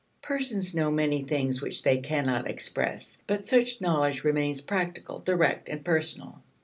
Persons know many things which they cannot express, but such knowledge remains practical, direct, and personal.